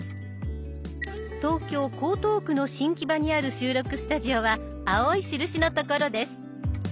東京・江東区の新木場にある収録スタジオは青い印の所です。